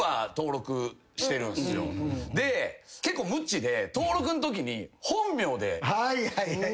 で結構無知で登録んときに。